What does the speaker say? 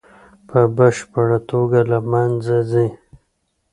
په بشپړه توګه له منځه ځي.